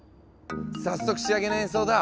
早速仕上げの演奏だ。